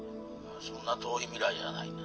そんな遠い未来じゃないな